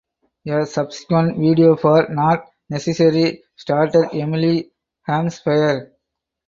A subsequent video for "Not Necessary" starred Emily Hampshire.